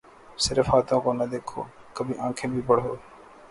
صرف ہاتھوں کو نہ دیکھو کبھی آنکھیں بھی پڑھو